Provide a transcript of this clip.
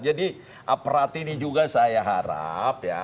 jadi aparat ini juga saya harap ya